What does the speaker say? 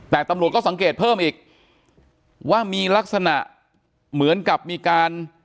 แต่ตำรวจก็สังเกตเพิ่มอีกว่ามีลักษณะเหมือนกับมีการ